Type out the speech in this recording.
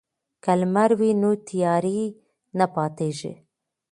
که لمر وي نو تیارې نه پاتیږي.